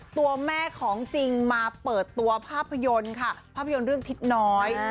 ตัวแม่ของจริงมาเปิดตัวภาพยนตร์ค่ะภาพยนตร์เรื่องทิศน้อย